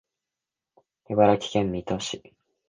茨城県水戸市